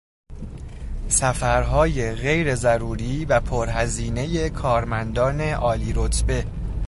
سفرهای غیرضروری و پرهزینهی کارمندان عالیرتبه